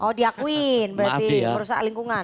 oh diakuin berarti merusak lingkungan